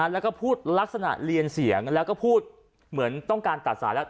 แล้วก็พูดลักษณะเรียนเสียงแล้วก็พูดเหมือนต้องการตัดสายแล้ว